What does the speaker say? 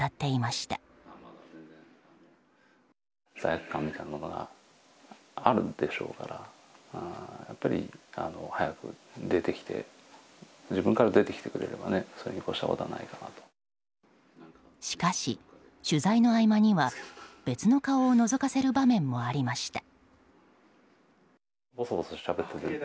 しかし取材の合間には別の顔をのぞかせる場面もありました。